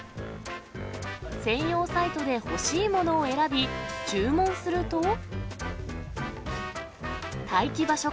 専用サイトで欲しいものを選び、注文すると。